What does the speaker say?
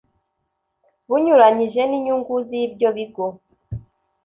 bunyuranyije n inyungu z ibyo bigo